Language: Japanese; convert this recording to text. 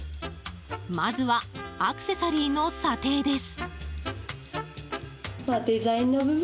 まずは、アクセサリーの査定です。